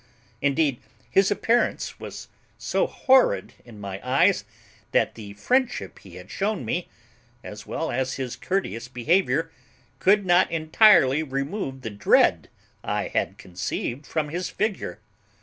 Indeed, his appearance was so horrid in my eyes, that the friendship he had shewn me, as well as his courteous behaviour, could not entirely remove the dread I had conceived from his figure.